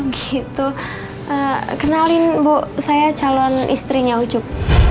gitu kenalin bu saya calon istrinya ucup